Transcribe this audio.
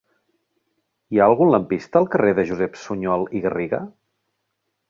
Hi ha algun lampista al carrer de Josep Sunyol i Garriga?